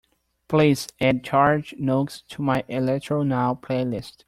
please add george nooks to my electronow playlist